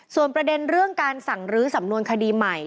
ส่วนประเด็นเรื่องการสั่งลื้อสำนวนคดีใหม่